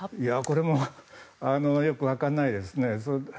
これもよく分からないですね。